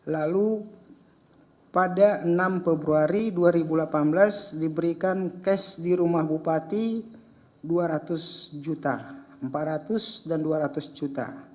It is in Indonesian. lalu pada enam februari dua ribu delapan belas diberikan cash di rumah bupati empat ratus dan dua ratus juta